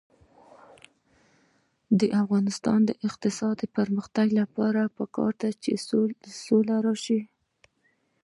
د افغانستان د اقتصادي پرمختګ لپاره پکار ده چې سوله راشي.